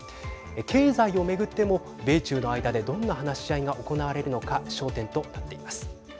経済を巡っても米中の間でどんな話し合いが行われるのか焦点となっています。